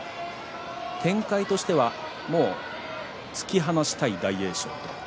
展開としては突き放したい大栄翔。